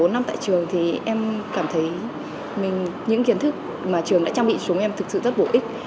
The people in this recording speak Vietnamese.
bốn năm tại trường thì em cảm thấy những kiến thức mà trường đã trang bị xuống em thực sự rất bổ ích